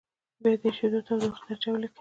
بیا د اېشېدو تودوخې درجه ولیکئ.